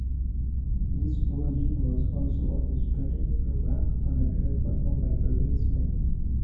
This version was also orchestrated, programmed, conducted and performed by Gregory Smith.